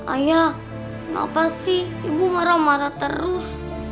ayah kenapa sih ibu marah marah terus